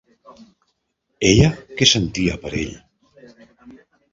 Ella què sentia per ell?